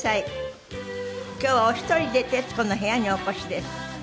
今日はお一人で『徹子の部屋』にお越しです。